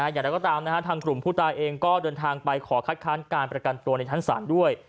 อย่างไรก็ตามทางกลุ่มผู้ตายเองก็เดินทางไปขอคัดค้านการประกันตัวในชั้นศาลด้วย